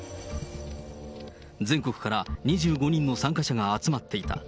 全国から２５人の参加者が集まっていた。